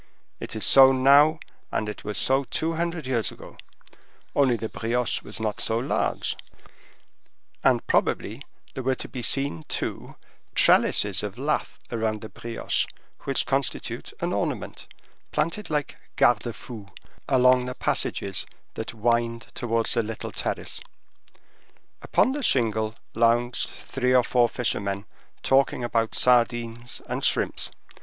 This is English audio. It is so now, and it was so two hundred years ago, only the brioche was not so large, and probably there were to be seen to trellises of lath around the brioche, which constitute an ornament, planted like gardes fous along the passages that wind towards the little terrace. Upon the shingle lounged three or four fishermen talking about sardines and shrimps.